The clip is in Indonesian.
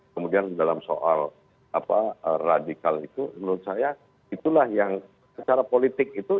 kemudian dalam soal radikal itu menurut saya itulah yang secara politik itu